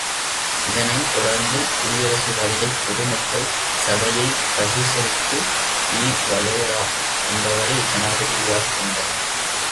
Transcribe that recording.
இதனைத் தொடர்ந்து குடியரசுவாதிகள் பொதுமக்கள் சபையைப் பகிஷ்கரித்து டி வலெரா என்பவரை ஜனாதிபதியாகக் கொண்ட அயர்லாந்துக் குடியரசைப் பிரகடனப்படுத்தினர்.